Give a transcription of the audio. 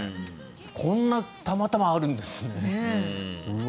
こんなたまたまあるんですね。